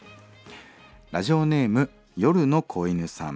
ラジオネーム夜の子犬さん。